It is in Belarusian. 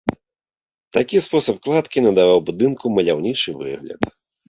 Такі спосаб кладкі надаваў будынку маляўнічы выгляд.